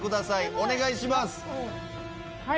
お願いします。